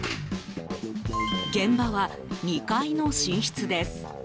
現場は、２階の寝室です。